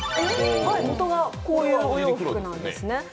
元がこういうお洋服なんですね。